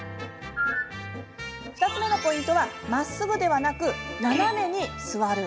２つ目のポイントはまっすぐではなく、斜めに座る。